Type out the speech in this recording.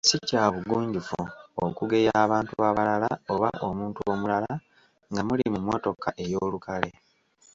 Ssi kya bugunjufu okugeya abantu abalala oba omuntu omulala nga muli mu mmotoka ey’olukale.